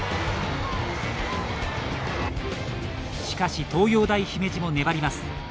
しかし、東洋大姫路も粘ります。